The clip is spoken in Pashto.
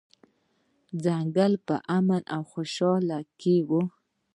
ځنګل په امن او خوشحالۍ کې و.